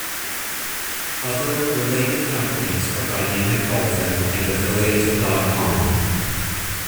Other related companies are Dynamic Dolphin and affiliate dot com.